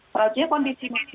selanjutnya kondisi misi